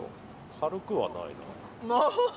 軽くはないな。